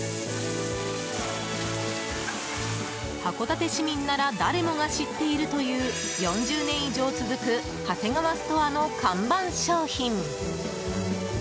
函館市民なら誰もが知っているという４０年以上続くハセガワストアの看板商品。